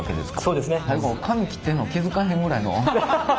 もう髪切ってんの気付かへんぐらいの。